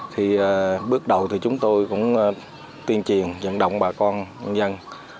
thì bước đầu thì chúng tôi cũng tuyên truyền dẫn động bà con dân